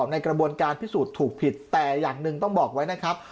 ในกระบวนการพิสูจน์ถูกผิดแต่อย่างหนึ่งต้องบอกไว้นะครับ